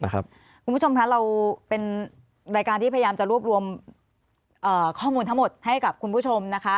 คุณผู้ชมคะเราเป็นรายการที่พยายามจะรวบรวมข้อมูลทั้งหมดให้กับคุณผู้ชมนะคะ